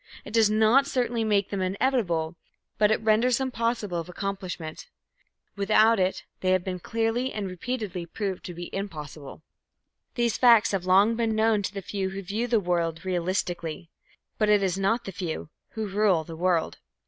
It does not certainly make them inevitable, but it renders them possible of accomplishment; without it they have been clearly and repeatedly proved to be impossible. These facts have long been known to the few who view the world realistically. But it is not the few who rule the world.